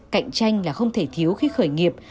cạnh tranh là không thể thiếu khi khởi nghiệp